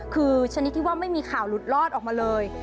คือชนิดที่ว่าไม่มีข่าวหลุดรอดออกมาเลย